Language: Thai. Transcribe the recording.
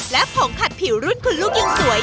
และผงขัดผิวรุ่นคุณลูกยิ่งสวย